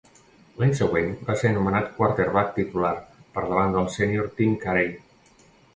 L'any següent, va ser anomenat quarterback titular per davant del sénior Tim Carey.